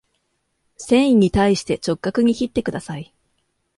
繊維に対して直角に切ってください